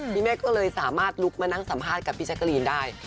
แม่ก็เลยสามารถลุกมานั่งสัมภาษณ์กับพี่แจ๊กกะรีนได้